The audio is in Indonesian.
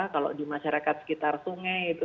kalau di masyarakat sekitar sungai itu